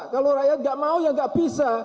kalau rakyat nggak mau ya nggak bisa